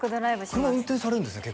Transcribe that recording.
車運転されるんですね